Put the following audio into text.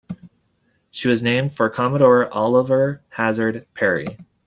She was named for Commodore Oliver Hazard Perry.